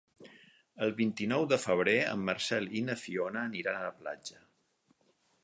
El vint-i-nou de febrer en Marcel i na Fiona aniran a la platja.